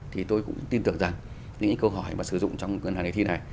thì tôi cũng tin tưởng rằng những câu hỏi mà sử dụng trong ngân hàng đề thi này